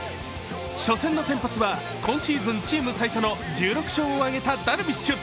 初戦の先発は今シーズンチーム最多の１６勝を挙げたダルビッシュ。